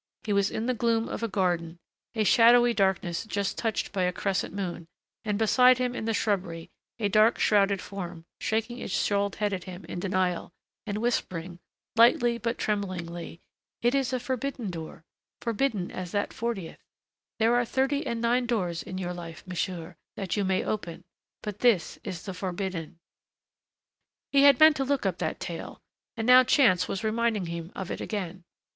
He was in the gloom of a garden, a shadowy darkness just touched by a crescent moon, and beside him in the shrubbery a dark shrouded form, shaking its shawled head at him in denial, and whispering, lightly but tremblingly. "It is a forbidden door ... forbidden as that fortieth.... There are thirty and nine doors in your life, monsieur, that you may open, but this is the forbidden...." He had meant to look up that tale. And now chance was reminding him of it again.